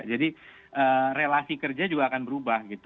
jadi relasi kerja juga akan berubah gitu